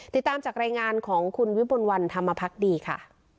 ติดตามจากรายงานของคุณวิมลวันธรรมพักดีค่ะ